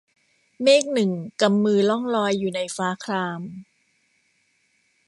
เมฆหนึ่งกำมือล่องลอยอยู่ในฟ้าคราม